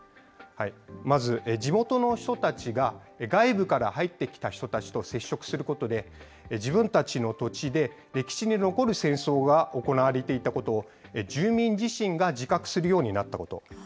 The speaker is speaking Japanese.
まず地元の人たちが、外部から入ってきた人たちと接触することで、自分たちの土地で歴史に残る戦争が行われていたことを住民自身が自覚するようになったこと。